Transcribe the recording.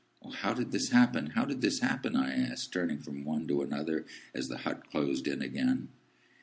"O, how did this happen, how did this happen?" I asked, turning from one to another as the hut closed in again.